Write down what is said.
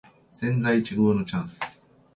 千載一遇のチャンス